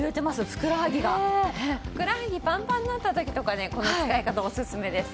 ふくらはぎパンパンになった時とかにこの使い方おすすめです。